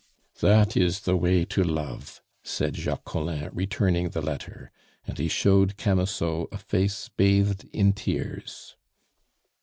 "That is the way to love!" said Jacques Collin, returning the letter. And he showed Camusot a face bathed in tears.